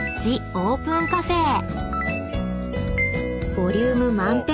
［ボリューム満点！